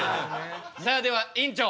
さあでは院長